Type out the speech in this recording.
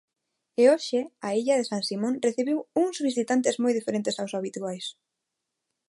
E hoxe a illa de San Simón recibiu uns visitantes moi diferentes aos habituais.